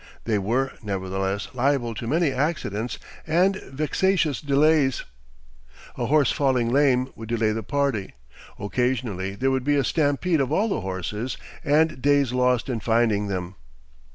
They were, nevertheless, liable to many accidents and vexatious delays. A horse falling lame would delay the party. Occasionally there would be a stampede of all the horses, and days lost in finding them.